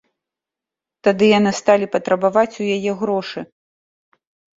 Тады яны сталі патрабаваць у яе грошы.